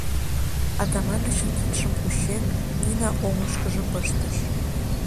— Атаманычын кидшым кучен, Нина оҥышкыжо пыштыш.